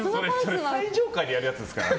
最上階でやるやつですから。